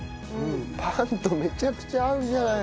パンとめちゃくちゃ合うじゃない！